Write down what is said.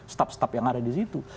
staf staff yang ada di situ